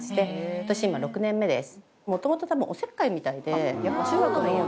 私今６年目です